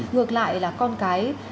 ngược lại là con cái